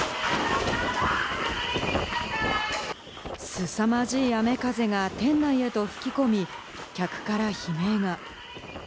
すさまじい雨風が店内へと吹き込み、客から悲鳴が。